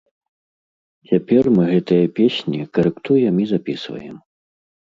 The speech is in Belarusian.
Цяпер мы гэтыя песні карэктуем і запісваем.